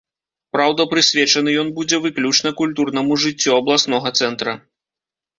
Праўда, прысвечаны ён будзе выключна культурнаму жыццю абласнога цэнтра.